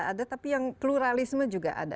ada tapi yang pluralisme juga ada